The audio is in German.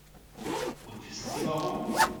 Und wissen Sie warum?